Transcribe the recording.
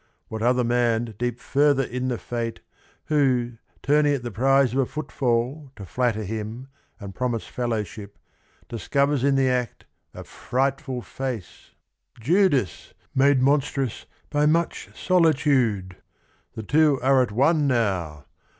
What other man deep further in the fate, Who, turning at the prize of a footfall To flatter him and promise fellowship, Discovers in the act a frightful face — 92 THE RING AND THE BOOK Judas, made monstrous by much solitude !' The two are at one now